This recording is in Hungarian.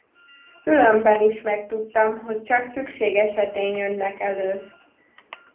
Különben is megtudtam, hogy csak szükség esetén jönnek elő.